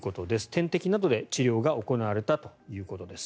点滴などで治療が行われたということです。